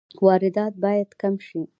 واردات باید کم شي